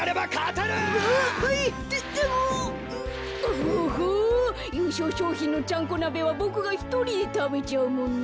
おほゆうしょうしょうひんのちゃんこなべはボクがひとりでたべちゃうもんね。